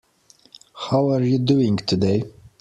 How are you doing today?